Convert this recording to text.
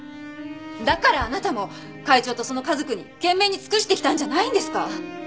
だからあなたも会長とその家族に懸命に尽くしてきたんじゃないんですか？